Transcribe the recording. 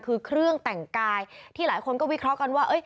คือเครื่องแต่งกายที่หลายคนก็วิเคราะห์กันว่า